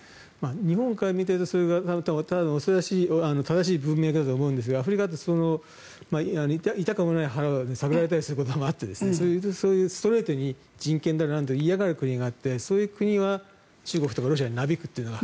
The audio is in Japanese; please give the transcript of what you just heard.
日本から見ていると正しい文脈だと思うんですがアフリカだと、痛くもない腹を探られたりすることもあってそういうストレートに人権だというと嫌がる国があってそういう国は中国とかロシアになびくというのが。